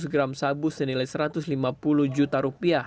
seratus gram sabu senilai rp satu ratus lima puluh juta